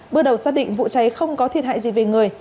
bước đầu xác định vụ cháy không có thiệt hại gì về người